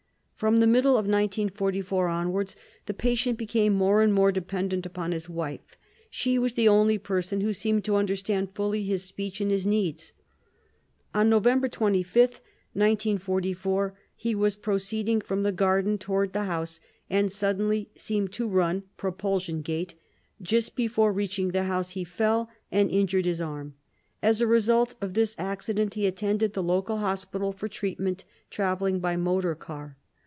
From the middle of 1944 onwards, the patient became more and more dependent upon his wife; she was the only person who seemed to understand fully his speech and his needs. On November 25th, 1944, he was proceeding from the garden towards the house, and suddenly seemed to run (propulsion gait). Just before reaching the house, he fell and injured his arm. As a result of this accident, he attended the local hospital for treatment, traveling by motor car.